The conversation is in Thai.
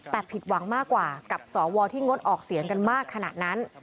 แต่ผิดหวังมากกว่ากับสวที่งดออกเสียงกันมากขนาดนั้น